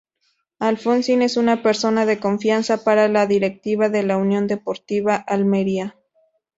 Alfonsín es una persona de confianza para la directiva de la Union Deportiva Almería.